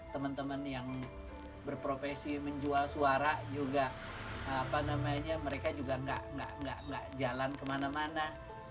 teman teman yang berprofesi menjual suara juga apa namanya mereka juga nggak jalan kemana mana